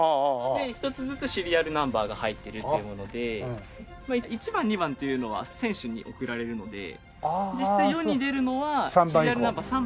で１つずつシリアルナンバーが入ってるっていうもので１番２番というのは選手に贈られるので実質世に出るのはシリアルナンバー３番以降なんですね。